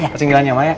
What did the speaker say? pesinggirannya mak ya